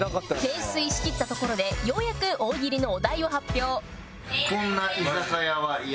「泥酔しきったところでようやく大喜利のお題を発表」